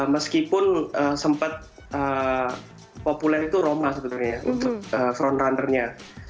meskipun sempat populer itu roma sebenarnya untuk frontrunner nya